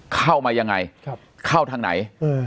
เข้ามายังไงเข้าทางไหน